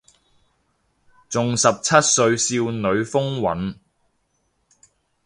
仲十七歲少女風韻